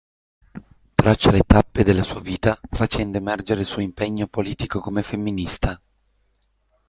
Traccia le tappe della sua vita facendo emergere il suo impegno politico come femminista.